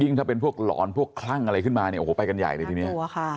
ถ้าเป็นพวกหลอนพวกคลั่งอะไรขึ้นมาเนี่ยโอ้โหไปกันใหญ่เลยทีนี้